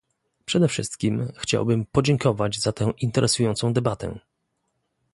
Przede wszystkim chciałbym podziękować za tę interesującą debatę